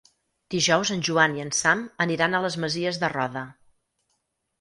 Dijous en Joan i en Sam aniran a les Masies de Roda.